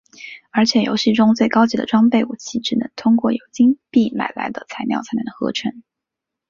而且游戏中最高级的装备武器只能通过由金币买来的材料才能合成。